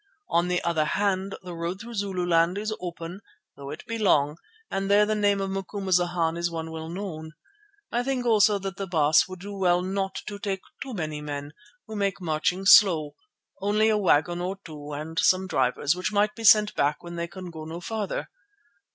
On the other hand the road through Zululand is open, though it be long, and there the name of Macumazana is one well known. I think also that the Baas would do well not to take too many men, who make marching slow, only a wagon or two and some drivers which might be sent back when they can go no farther.